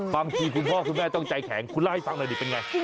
บางทีคุณพ่อคุณแม่เองต้องใจแข็งคุณจักรให้ทรัพย์หน่อยเป็นไง